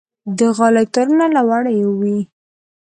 د غالۍ تارونه له وړۍ وي.